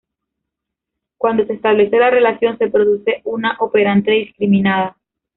Cuando se establece la relación, se produce una operante discriminada.